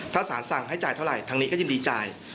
ถ้าสารสั่งให้จ่ายเท่าไหร่ทางนี้ก็ยินดีจ่าย